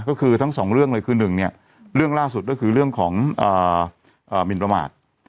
ก็คือทั้ง๒เรื่องเลยคือ๑เรื่องล่าสุดก็คือเรื่องของหมินประมาท